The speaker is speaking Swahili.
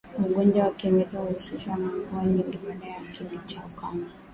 Ugonjwa wa kimeta uhusishwa na mvuaa nyingi baada ya kindi cha ukame